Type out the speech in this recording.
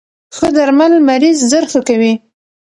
ښه درمل مریض زر ښه کوی.